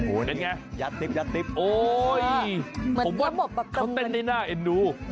โอ้ยผมว่าเขาแป้นในหน้าเอ็นดู